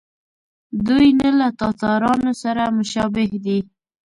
دوی نه له تاتارانو سره مشابه دي.